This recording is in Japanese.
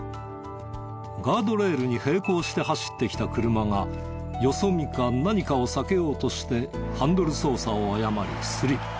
ガードレールに平行して走ってきた車がよそ見か何かを避けようとしてハンドル操作を誤りスリップ。